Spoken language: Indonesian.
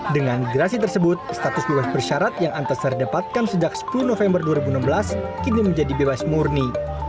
dengan gerasi tersebut status bebas persyarat yang antasari dapatkan sejak sepuluh november dua ribu enam belas kini menjadi bebas murni